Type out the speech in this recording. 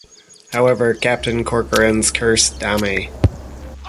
However, Captain Corcoran's curse Damme!